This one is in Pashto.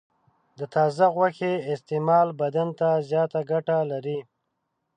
د تازه غوښې استعمال بدن ته زیاته ګټه لري.